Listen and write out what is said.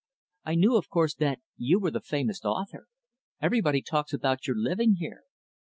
I knew, of course, that you were the famous author; everybody talks about your living here."